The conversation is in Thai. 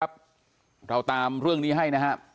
บางทีครับเราตามเรื่องนี้ให้นะฮะ